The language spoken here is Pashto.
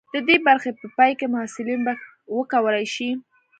د دې برخې په پای کې محصلین به وکولی شي.